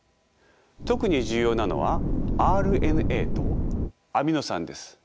特に重要なのはＲＮＡとアミノ酸です。